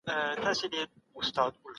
د ژوند شرايط بايد د زغملو وړ وي.